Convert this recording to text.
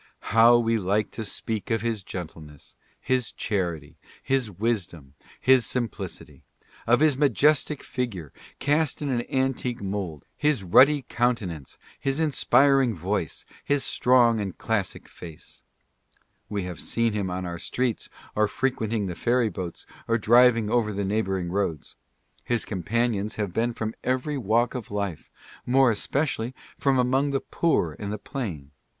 How we like to speak of his gentleness, his charity, his wisdom, his simplicity !— of his majestic figure, cast in an an tique mould, his ruddy countenance, his inspiring voice, his strong and classic face ! We have seen him on our streets, or frequenting the ferry boats, or driving over the neighboring roads. His companions have been from every walk of life — more especially from among the poor and the plain.